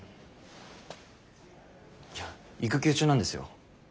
いや育休中なんですよ。